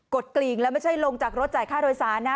กลิ่งแล้วไม่ใช่ลงจากรถจ่ายค่าโดยสารนะ